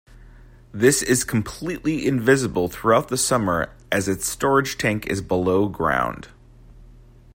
This is completely invisible throughout the summer as its storage tank is below ground.